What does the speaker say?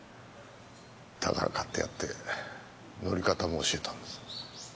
だから買ってやって乗り方も教えたんです。